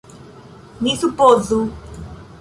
Ni supozu!